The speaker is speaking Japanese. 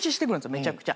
めちゃくちゃ。